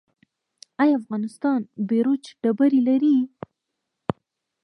آیا افغانستان بیروج ډبرې لري؟